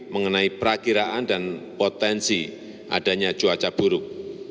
mengenai perakiraan dan potensi adanya cuaca buruk